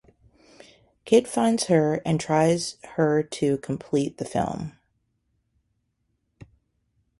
Kydd finds her and tries her to complete the film.